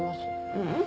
ううん。